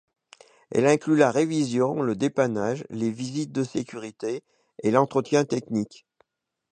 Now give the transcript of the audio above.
Elle inclut la révision, le dépannage, les visites de sécurité et l'entretien technique.